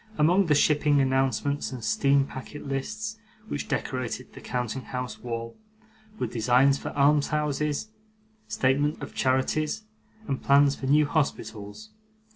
Among the shipping announcements and steam packet lists which decorated the counting house wall, were designs for almshouses, statements of charities, and plans for new hospitals.